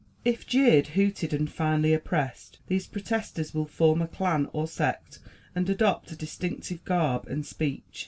If jeered, hooted and finally oppressed, these protesters will form a clan or sect and adopt a distinctive garb and speech.